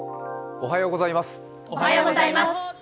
おはようございます。